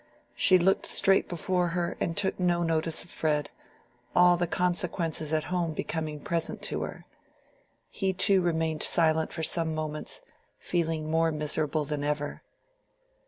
She looked straight before her and took no notice of Fred, all the consequences at home becoming present to her. He too remained silent for some moments, feeling more miserable than ever.